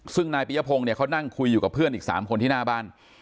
ซึ่งนายปียพงศ์เนี่ยเขานั่งคุยอยู่กับเพื่อนอีก๓คนที่หน้าบ้าน